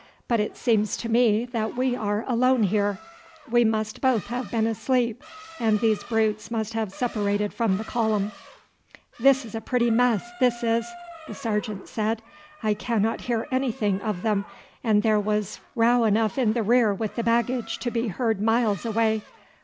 "But it seems to me that we are alone here. We must both have been asleep, and these brutes must have separated from the column." "This is a pretty mess, this is!" the sergeant said. "I cannot hear anything of them, and there was row enough in the rear with the baggage to be heard miles away.